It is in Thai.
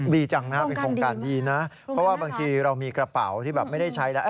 ดีจังนะครับเป็นโครงการดีนะเพราะว่าบางทีเรามีกระเป๋าที่แบบไม่ได้ใช้แล้ว